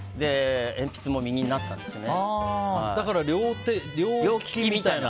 鉛筆も右になったんですよね。